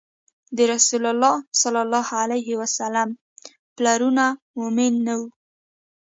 د رسول الله ﷺ پلرونه مؤمن نه وو